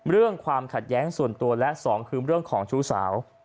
ความขัดแย้งส่วนตัวและสองคือเรื่องของชู้สาว